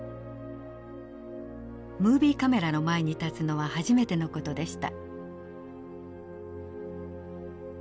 ムービーカメラの前に立つのは初めての事でした。